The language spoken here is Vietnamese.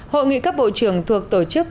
hội nghị các bộ trưởng thuộc tổ chức